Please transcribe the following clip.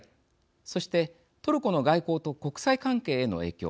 そして、トルコの外交と国際関係への影響。